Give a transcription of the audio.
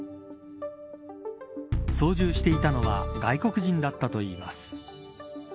操縦していたのは外国人だったといいます。